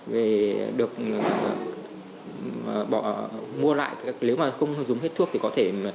về được mua lại nếu mà không dùng hết thuốc thì có thể